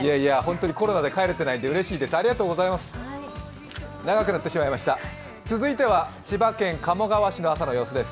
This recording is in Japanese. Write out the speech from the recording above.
コロナで帰れてないんでうれしいです。